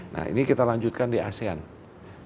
nah ini kita lanjutkan di asean